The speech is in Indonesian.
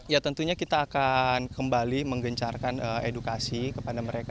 ya tentunya kita akan kembali menggencarkan edukasi kepada mereka